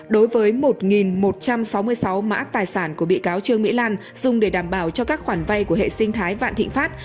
đối với một một trăm sáu mươi sáu mã tài sản của bị cáo trương mỹ lan dùng để đảm bảo cho các khoản vay của hệ sinh thái vạn thịnh pháp